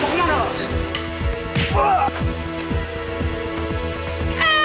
karna ayas ken